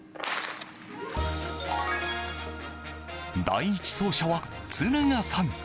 第１走者は敦賀さん。